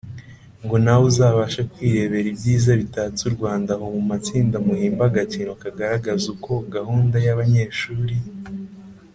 ngo nawe uzabashe kwirebera ibyiza bitatse u rwanda ahomu matsinda muhimbe agakino kagaragaza uko gahunda y’abanyeshuri